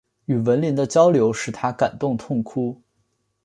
与斐琳的交流使他感动痛哭。